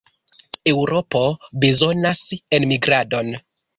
Eŭropo bezonas enmigradon.